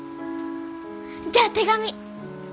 じゃあ手紙！